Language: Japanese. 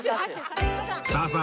さあさあ